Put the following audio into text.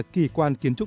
kỳ quan kiến trúc